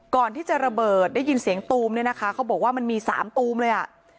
ก่อนที่จะระเบิดได้ยินเสียงตูมเนี่ยนะคะเขาบอกว่ามันมีสามตูมเลยอ่ะ